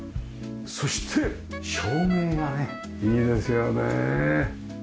そして照明がねいいですよね。